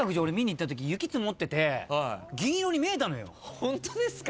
ホントですか？